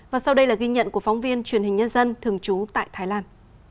và sau đây là ghi nhận của phóng viên truyền hình nhân dân thường trú tại thái lan